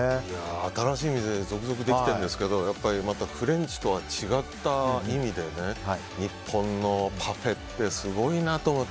新しい店が続々できているんですけどフレンチとは違った意味で日本のパフェってすごいなと思って。